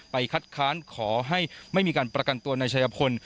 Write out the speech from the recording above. คัดค้านขอให้ไม่มีการประกันตัวนายชายพล